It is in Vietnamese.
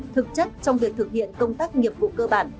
thực chất trong việc thực hiện công tác nghiệp vụ cơ bản